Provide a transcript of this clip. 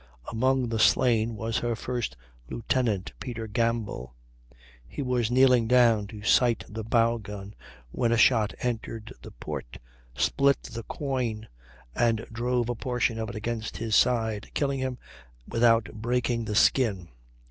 Among the slain was her first lieutenant, Peter Gamble; he was kneeling down to sight the bow gun, when a shot entered the port, split the quoin, and drove a portion of it against his side, killing him without breaking the skin.